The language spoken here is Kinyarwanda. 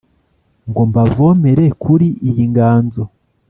ngo mbavomere kuri iyi nganzo